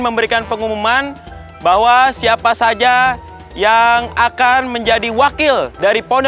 memberikan pengumuman bahwa siapa saja yang akan menjadi wakil dari ponda